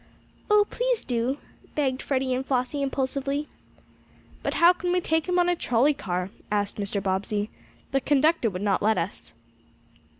"Oh, please do," begged Freddie and Flossie, impulsively. "But how can we take him on a trolley car?" asked Mr. Bobbsey. "The conductor would not let us."